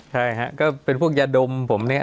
ใช่ฮะก็เป็นพวกยาดมผมเนี่ย